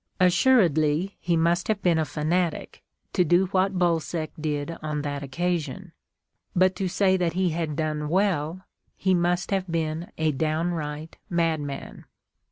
Assuredly he must have been a fanatic, to do what Bolsec did on that occasion ; but to say that he had done well, he must have been a downright madman.